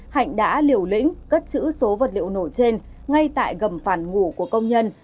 hạnh đã liều lĩnh cất chữ số vật liệu nổ trên ngay tại gầm phản ngủ của công nhân